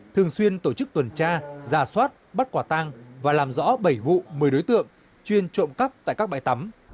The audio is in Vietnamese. thường xuyên tổ chức tuần tra ra soát bắt quả tang và làm rõ bảy vụ một mươi đối tượng chuyên trộm cắp tại các bãi tắm